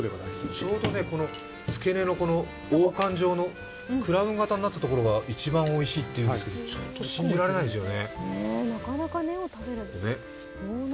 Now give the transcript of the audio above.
ちょうど付け根の王冠のクラウン状になったところが一番おいしいというんですがちょっと信じられないんですよね。